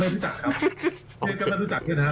ไม่รู้จักครับชื่อก็ไม่รู้จักยังนะฮะ